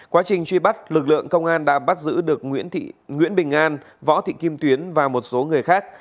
quá trình truy bắt lực lượng công an đã bắt giữ được nguyễn bình an võ thị kim tuyến và một số người khác